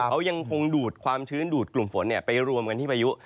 เขายังคงดูดความชื้นดูดกลุ่มฝนไปรวมกันที่พายุ